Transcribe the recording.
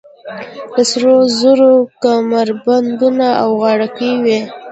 د سرو زرو کمربندونه او غاړکۍ وې